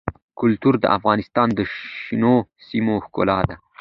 کلتور د افغانستان د شنو سیمو ښکلا ده.